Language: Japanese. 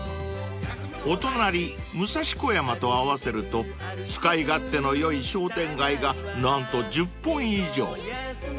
［お隣武蔵小山と合わせると使い勝手のよい商店街が何と１０本以上］